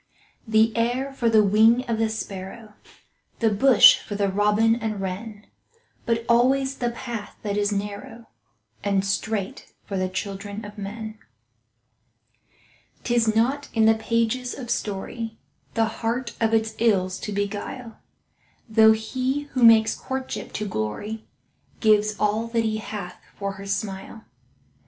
The air for the wing of the sparrow, The bush for the robin and wren, But alway the path that is narrow And straight, for the children of men. 'Tis not in the pages of story The heart of its ills to beguile, Though he who makes courtship to glory Gives all that he hath for her smile.